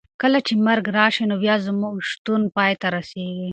کله چې مرګ راشي نو بیا زموږ شتون پای ته رسېږي.